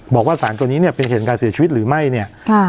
บอกว่าสารตัวนี้เป็นเหตุของการเสียชีวิตหรือไม่